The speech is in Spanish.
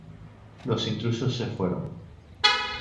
Los intrusos se fueron.